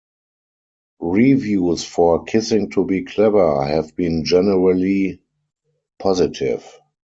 Reviews for "Kissing to Be Clever" have been generally positive.